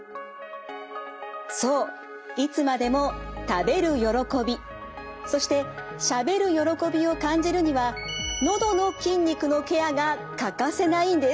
そういつまでも食べる喜びそしてしゃべる喜びを感じるにはのどの筋肉のケアが欠かせないんです。